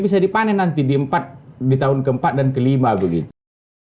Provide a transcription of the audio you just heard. bisa dipanen nanti di tahun keempat dan kelima begitu